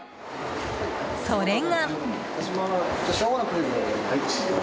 それが。